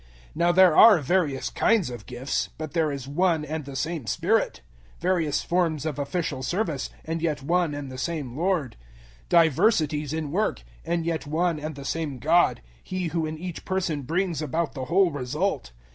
012:004 Now there are various kinds of gifts, but there is one and the same Spirit; 012:005 various forms of official service, and yet one and the same Lord; 012:006 diversities in work, and yet one and the same God He who in each person brings about the whole result.